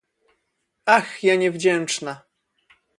"Ach, ja niewdzięczna!..."